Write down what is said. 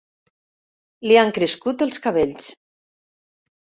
Li han crescut els cabells.